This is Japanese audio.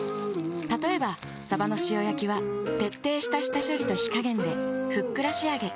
例えばさばの塩焼きは徹底した下処理と火加減でふっくら仕上げ。